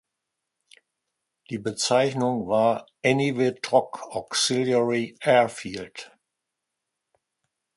Die Bezeichnung war Eniwetok Auxiliary Airfield.